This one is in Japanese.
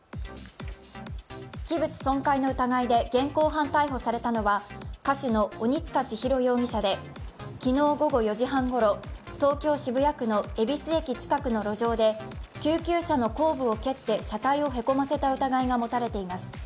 器物損壊の疑いで現行犯逮捕されたのは、歌手の鬼束ちひろ容疑者で昨日午後４時半ごろ、東京・渋谷区の恵比寿駅近くの路上で、救急車の後部を蹴って車体をへこませた疑いが持たれています。